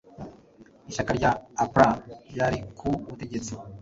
ishyaka rya apra ryari ku butegetsi,